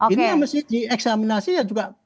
ini yang mesti diekseaminasi ya juga